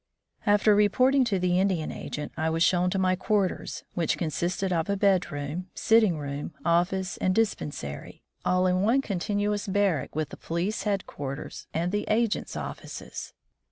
After reporting to the Indian agent, I was shown to my quarters, which consisted of a bedroom, sitting room, office, and dispen sary, all in one continuous barrack with the 76 i 5 e rll A Doctor among the Indians police quarters and the agent's offices.